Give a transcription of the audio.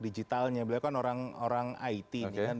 digitalnya beliau kan orang it